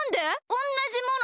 おんなじもの